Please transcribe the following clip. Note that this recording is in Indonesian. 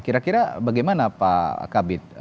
kira kira bagaimana pak kabit